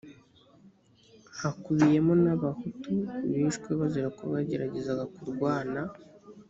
hakubiyemo n abahutu bishwe bazira ko bageragezaga kurwana